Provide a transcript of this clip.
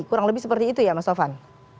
kurang lebih seperti itu ya mas sofan